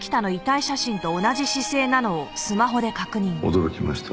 驚きました。